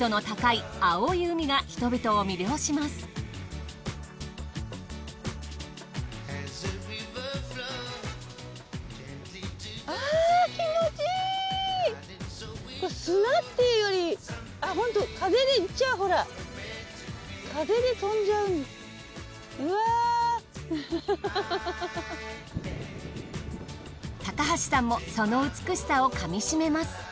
高橋さんもその美しさをかみしめます。